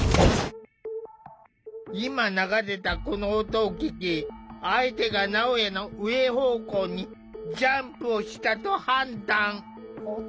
今流れたこの音を聞き相手がなおやの上方向にジャンプをしたと判断。